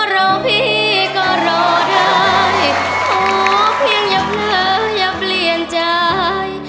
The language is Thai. เดี๋ยวพี่ก็รอด้ายโอ้เพียงอย่าเผลออย่าเปลี่ยนใจ